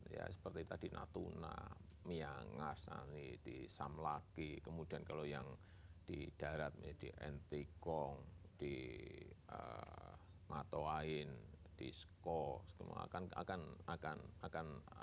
ya seperti tadi natuna miangas di samlaki kemudian kalau yang di daerah di antikong di matoain di skog semua